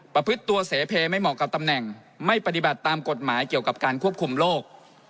ประพฤติตัวเสเพไม่เหมาะกับตำแหน่งไม่ปฏิบัติตามกฎหมายเกี่ยวกับการควบคุมโรค